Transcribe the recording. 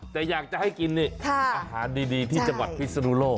แต่อยากจะให้กินนี่อาหารดีที่จังหวัดพิศนุโลก